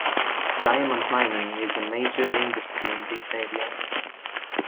Diamond mining is a major industry in these areas.